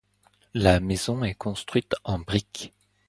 La maison est construite en brique